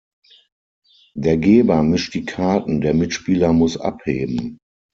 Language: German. Der Geber mischt die Karten, der Mitspieler muss abheben.